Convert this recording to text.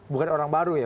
bukan orang baru ya